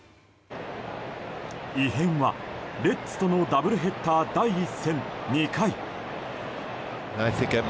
異変はレッズとダブルヘッダー第１戦２回。